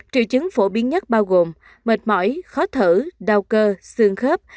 triệu chứng phổ biến nhất bao gồm mệt mỏi khó thở đau cơ xương khớp